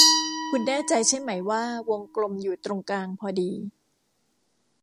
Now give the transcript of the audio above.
คุณแน่ใจใช่ไหมว่าวงกลมอยู่ตรงกลางพอดี